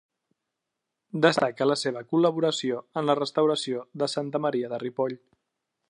Destaca la seva col·laboració en la restauració de Santa Maria de Ripoll.